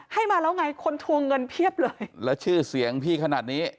ให้มาแล้วไงคนทวงเงินเพียบเลยแล้วชื่อเสียงพี่ขนาดนี้